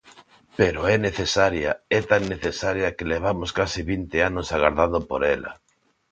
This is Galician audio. Pero é necesaria, é tan necesaria que levamos case vinte anos agardando por ela.